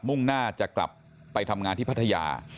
มุ่งหน้าจะกลับไปทำงานที่พัทยา